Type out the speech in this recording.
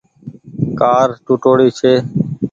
ڪآر ٽوُٽوڙي ڇي۔